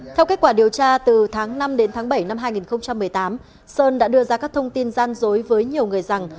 theo kết quả điều tra từ tháng năm đến tháng bảy năm hai nghìn một mươi tám sơn đã đưa ra các thông tin gian dối với nhiều người rằng